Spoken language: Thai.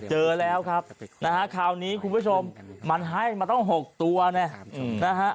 เจอแล้วครับนะฮะเขานี้คุณผู้ชมมันให้มันต้องหกตัวเนี้ยอืม